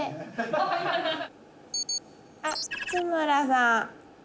あ津村さん。